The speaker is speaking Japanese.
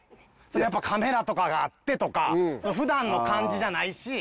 やっぱカメラとかがあってとか普段の感じじゃないし。